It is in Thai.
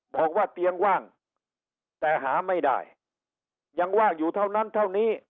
บอกว่าเตียงว่างแต่หาไม่ได้ยังว่างอยู่เท่านั้นเท่านี้